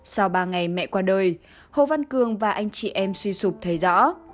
sau ba ngày mẹ qua đời hồ văn cường và anh chị em suy sụp thấy rõ